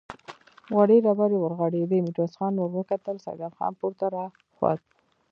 وړې ډبرې ورغړېدې، ميرويس خان ور وکتل، سيدال خان پورته را خوت.